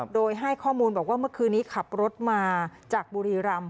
โดยให้ข้อมูลบอกว่าเมื่อคืนนี้ขับรถมาจากบุรีรำ